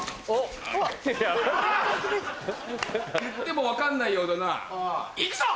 言っても分かんないようだな行くぞ！